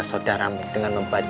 makanlah dengan baik